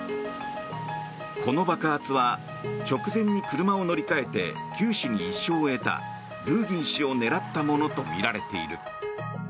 この爆発は直前に車を乗り換えて九死に一生を得たドゥーギン氏を狙ったものとみられている。